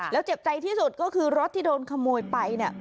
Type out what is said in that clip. แล้วเจ็บใจที่สุดก็คือรถที่โดนขโมยไปเนี่ย